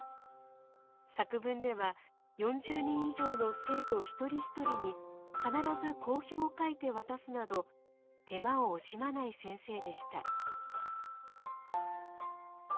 作文では４０人以上の生徒一人一人に必ず講評を書いて渡すなど手間を惜しまない先生でした。